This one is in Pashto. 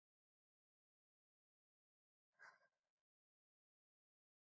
اورېدلي چي فرمايل ئې: الله زر امتونه پيدا كړي